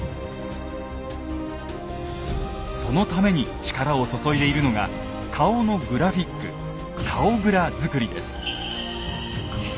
そのために力を注いでいるのが顔のグラフィック「顔グラ」作りです。